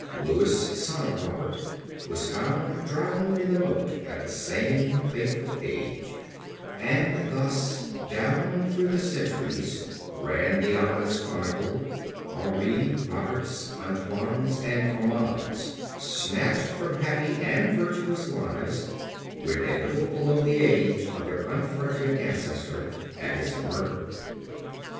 Louis, son to Robert, was found drowned in the moat at the same fateful age, and thus down through the centuries ran the ominous chronicle; Henris, Roberts, Antoines, and Armands snatched from happy and virtuous lives when a little below the age of their unfortunate ancestor at his murder.